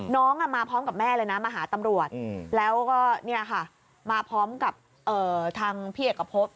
น้องมาพร้อมกับแม่เลยนะมาหาตำรวจแล้วก็เนี่ยค่ะมาพร้อมกับทางพี่เอกพบ